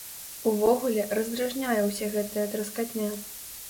Увогуле, раздражняе ўся гэта траскатня.